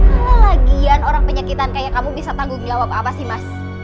kelagian orang penyakitan kayak kamu bisa tanggung jawab apa sih mas